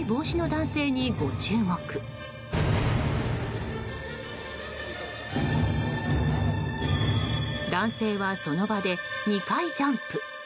男性は、その場で２回ジャンプ。